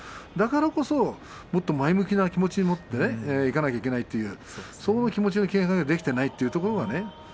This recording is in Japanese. だからこそもっと前向きな気持ちでいかなければいけないとそういう気持ちの切り替えができていないというところがね